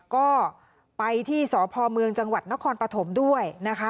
ก็ไปที่สพเมืองจังหวัดนครปฐมด้วยนะคะ